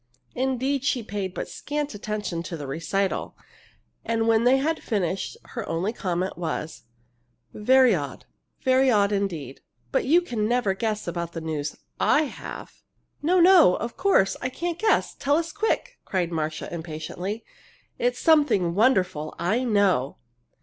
Indeed, she paid but scant attention to their recital; and when they had finished, her only comment was: "Very odd very odd indeed. But you never can guess about the news I have!" "No, no! Of course I can't guess. Tell us quick!" cried Marcia, impatiently. "It's something wonderful, I know!"